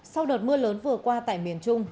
sau đợt mưa lớn vừa qua tại miền trung